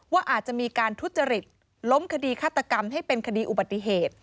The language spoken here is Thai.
ว่าอาจจะมีการทุจริตล้มคดีฆาตกรรมให้เป็นคดีอุบัติเหตุ